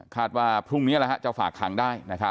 คาดว่าพรุ่งนี้ละฮะจะฝากขังได้นะครับ